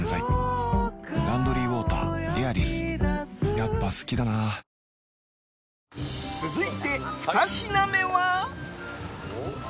やっぱ好きだな続いて、２品目は。